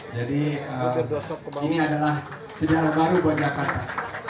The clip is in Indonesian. jadi ini adalah sejarah baru buat jakarta